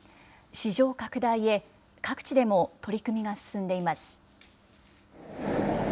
市場拡大へ各地でも取り組みが進んでいます。